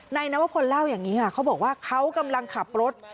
นายนวพลเล่าอย่างนี้ค่ะเขาบอกว่าเขากำลังขับรถ